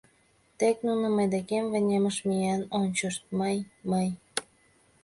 Тек нуно мый декем вынемыш миен ончышт, мый... мый...